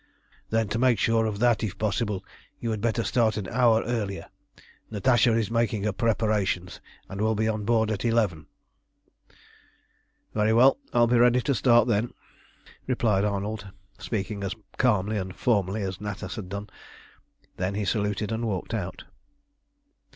"Then to make sure of that, if possible, you had better start an hour earlier. Natasha is making her preparations, and will be on board at eleven." "Very well; I will be ready to start then," replied Arnold, speaking as calmly and formally as Natas had done. Then he saluted and walked out.